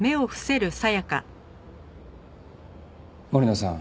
森野さん。